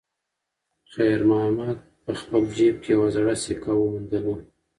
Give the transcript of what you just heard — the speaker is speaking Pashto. خیر محمد په خپل جېب کې یوه زړه سکه وموندله.